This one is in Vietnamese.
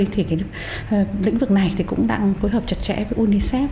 thì cái lĩnh vực này thì cũng đang phối hợp chặt chẽ với unicef